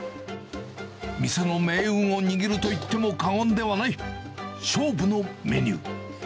店の命運を握るといっても過言ではない、勝負のメニュー。